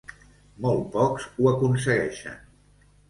Molt pocs ho aconsegueixen.